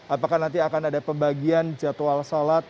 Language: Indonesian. apakah nanti akan ada pembagian jadwal sholat